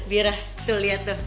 biar lah tuh liat tuh